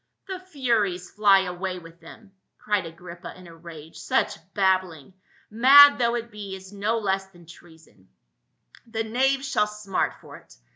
"The furies fly away with them !" cried Agrippa in a rage, " such babbling — mad though it be — is no less than treason ; the knaves shall smart for it.